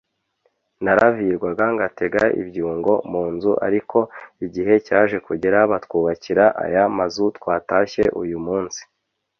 Naravirwaga ngatega ibyungo mu nzu ariko igihe cyaje kugera batwubakira aya mazu twatashye uyu munsi